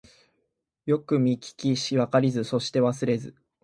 よくみききしわかりそしてわすれず